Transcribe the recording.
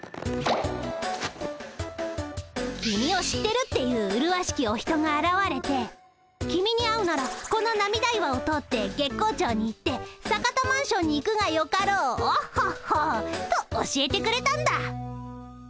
君を知ってるっていううるわしきお人があらわれて君に会うならこの涙岩を通って月光町に行って坂田マンションに行くがよかろうオッホッホッと教えてくれたんだ。